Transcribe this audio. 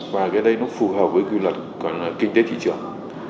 và cái đây nó phù hợp với quy luật gọi là kinh tế thị trường